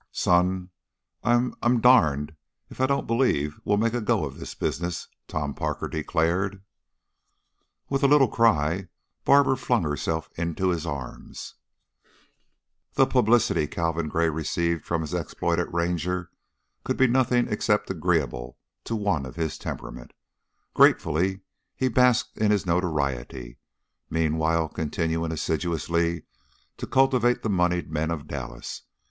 "Son! I I'm darned if I don't believe we'll make a go of this business," Tom Parker declared. With a little cry Barbara flung herself into his arms. The publicity Calvin Gray received from his exploit at Ranger could be nothing except agreeable to one of his temperament. Gratefully he basked in his notoriety, meanwhile continuing assiduously to cultivate the moneyed men of Dallas.